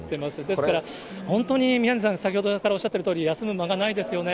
ですから、本当に、宮根さん、先ほどからおっしゃってるとおり、休む間がないですよね。